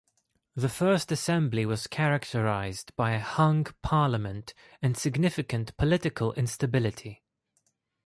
The first Assembly was characterised by a hung parliament and significant political instability.